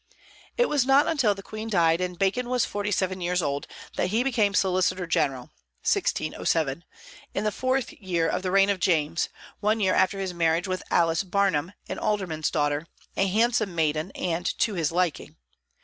It was not until the Queen died, and Bacon was forty seven years old, that he became solicitor general (1607), in the fourth year of the reign of James, one year after his marriage with Alice Barnham, an alderman's daughter, "a handsome maiden," and "to his liking."